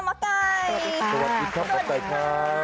สวัสดีค่ะหมอไก่ค่ะ